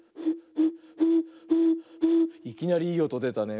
いきなりいいおとでたね。